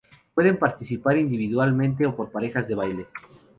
Pueden participar individualmente o por parejas de baile.